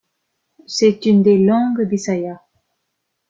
C'est une des langues bisayas.